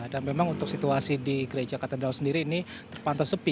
dan memang untuk situasi di gereja katedral sendiri ini terpantau sepi